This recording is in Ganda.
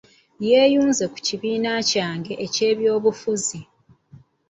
Yeeyunze ku kibiina kyange eky'ebyobufuzi.